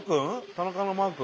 田中のマー君？